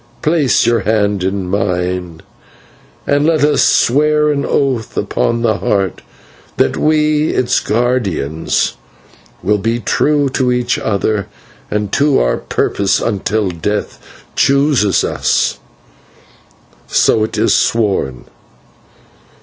Place your hand in mine, and let us swear an oath upon the Heart that we, its guardians, will be true to each other and to our purpose until death chooses us. So, it is sworn.